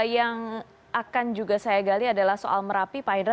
yang akan juga saya gali adalah soal merapi pak hendra